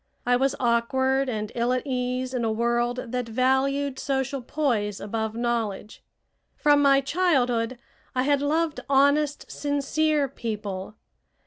I was awkward and ill at ease in a world that valued social poise above knowledge. From my childhood I had loved honest, sincere people.